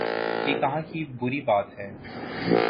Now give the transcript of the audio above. یہ کہاں کی بری بات ہے؟